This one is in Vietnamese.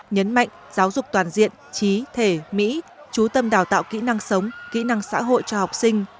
nhấn mạnh giáo dục toàn diện trí thể mỹ trú tâm đào tạo kỹ năng sống kỹ năng xã hội cho học sinh